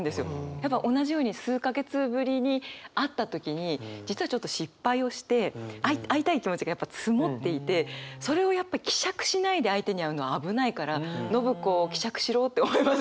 やっぱ同じように数か月ぶりに会った時に実はちょっと失敗をして会いたい気持ちがやっぱ積もっていてそれをやっぱ希釈しないで相手に会うのは危ないから伸子希釈しろって思います